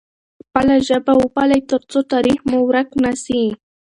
خپله ژبه وپالئ ترڅو تاریخ مو ورک نه سي.